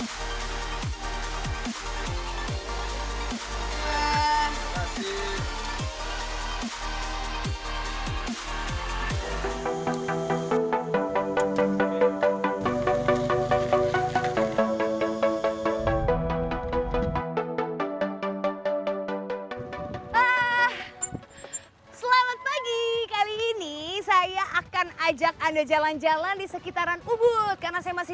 selamat pagi kali ini saya akan ajak anda jalan jalan di sekitaran ubud karena saya masih